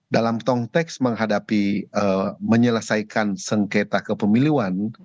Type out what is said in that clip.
dalam konteks menghadapi menyelesaikan sengketa kepemiluan